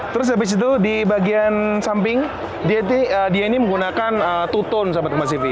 terus habis itu dibagian samping dia ini menggunakan two tone sahabat kompastv